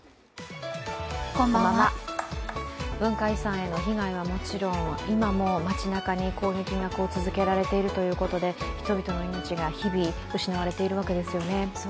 文化遺産への被害はもちろん、今も街なかに攻撃が続けられているということで人々の命が日々失われているわけですよね。